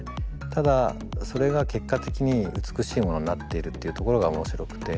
ただそれが結果的に美しいものになっているっていうところが面白くて。